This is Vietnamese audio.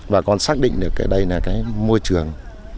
bà con xác định được đây là cái môi trường